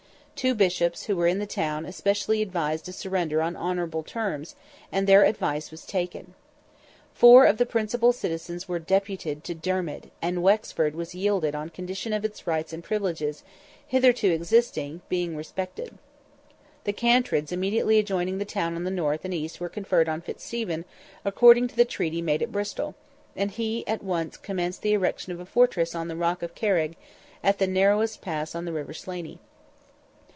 Two Bishops who were in the town especially advised a surrender on honourable terms, and their advice was taken. Four of the principal citizens were deputed to Dermid, and Wexford was yielded on condition of its rights and privileges, hitherto existing, being respected. The cantreds immediately adjoining the town on the north and east were conferred on Fitzstephen according to the treaty made at Bristol, and he at once commenced the erection of a fortress on the rock of Carrig, at the narrowest pass on the river Slaney.